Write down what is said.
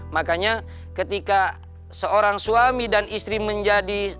makanya ketika seorang suami dan istri menjadi